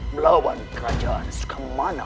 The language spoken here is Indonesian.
melawan kerajaan sukamana